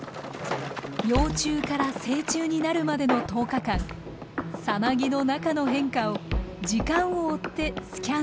幼虫から成虫になるまでの１０日間蛹の中の変化を時間を追ってスキャンしていきます。